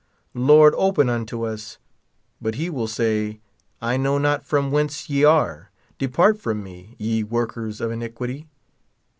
Lord, open unto us ; but he will say, I know not from whence ye are : depart from me, ye workers of iniquity.